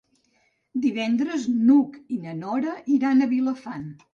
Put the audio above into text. Divendres n'Hug i na Nora iran a Vilafant.